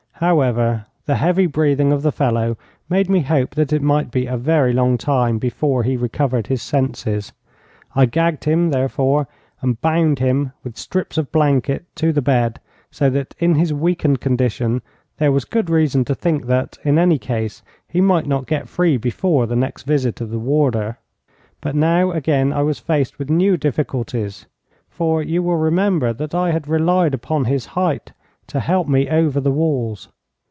However, the heavy breathing of the fellow made me hope that it might be a very long time before he recovered his senses. I gagged him, therefore, and bound him with strips of blanket to the bed, so that in his weakened condition there was good reason to think that, in any case, he might not get free before the next visit of the warder. But now again I was faced with new difficulties, for you will remember that I had relied upon his height to help me over the walls.